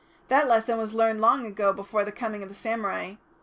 That lesson was learnt long ago before the coming of the samurai.